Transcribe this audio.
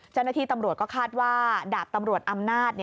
เจ้าหน้าที่ตำรวจก็คาดว่าดาบตำรวจอำนาจ